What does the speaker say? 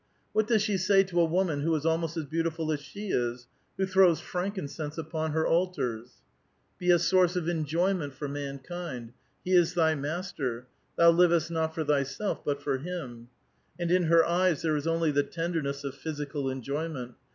What does she say to a woman who is almost as beautiful as she is, who throws frankincense upon her altars ?'' Be a source of enjoyment for mankind. He is thy master. Thou livest not for thyself, but for him." And in her o^'es there is onlj' the tenderness of physical enjoyment.